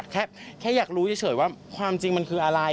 แค่อยากรู้เฉยว่าความจริงมันคืออะไร